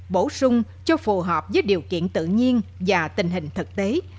bổ sung cho phù hợp với điều kiện tự nhiên và tình hình thực tế